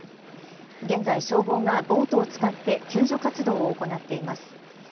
現在、消防がボートを使って救助活動を行っています。